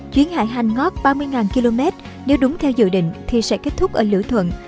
chuyến hải hành ngót ba mươi km nếu đúng theo dự định thì sẽ kết thúc ở lữ thuận